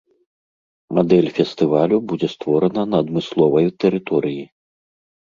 Мадэль фестывалю будзе створана на адмысловай тэрыторыі.